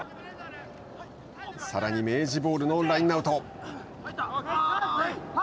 さらに明治ボールのラインアウト。